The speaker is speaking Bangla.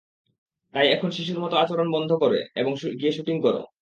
তাই এখন শিশুর মতো আচরণ বন্ধ করে, এবং গিয়ে শুটিং করো।